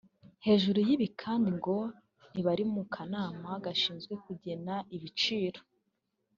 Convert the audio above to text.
hejuru y’ibi kandi ngo ntibari mu kanama gashinzwe kugena ibiciro